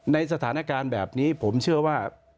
ในสถานการณ์แบบนี้ผมเชื่อว่า